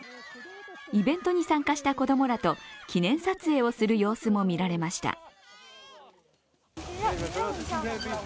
イベントに参加した子供らと記念撮影をする様子も見られました。